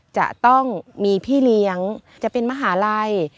จะต้องมีพี่เลี้ยงจะเป็นมหาลัย